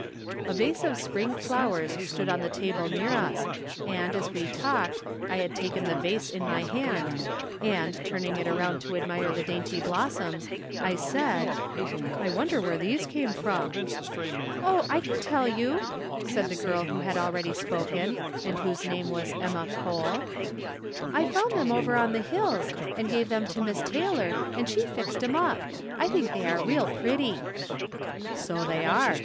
A vase of spring flowers stood on the table near us, and, as we talked, I had taken the vase in my hand, and, turning it around to admire the dainty blossoms, I said :" I wonder where these came from ?"" Oh, I can teU you !" said the girl who had already spoken, and whose name is Emma Cole. " I found them over on the hills, and gave them From Different Standpoints. 161 to Miss Taylor, and she fixed 'em up. I think they are real pretty." "So they are.